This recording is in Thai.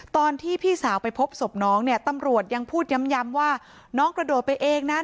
ตอนที่พี่สาวไปพบสมน้องเนี่ยตำรวจยังพูดยำยำยำว่าน้องกระโดดไปเองนะ